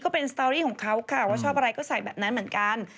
ก็เป็นสตอรี่ของเขาค่ะว่าชอบอะไรก็ใส่แบบนั้นเหมือนกัน